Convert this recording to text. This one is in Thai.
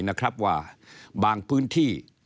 นะครับว่าบางพื้นที่